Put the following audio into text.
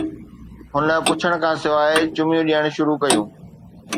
هُن پڇڻ کان سواءِ چميون ڏيڻ شروع ڪيون